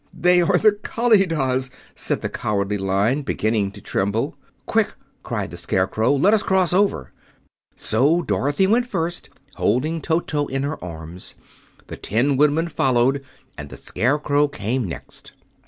"They are the Kalidahs!" said the Cowardly Lion, beginning to tremble. "Quick!" cried the Scarecrow. "Let us cross over." So Dorothy went first, holding Toto in her arms, the Tin Woodman followed, and the Scarecrow came next.